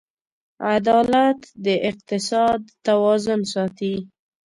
عدالت د اقتصاد توازن ساتي.